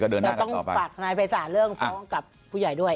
ต้องปรับสนัยภัยสารเรื่องฟ้องกับผู้ใหญ่ด้วย